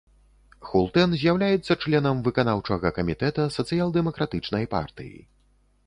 Хултэн з'яўляецца членам выканаўчага камітэта сацыял-дэмакратычнай партыі.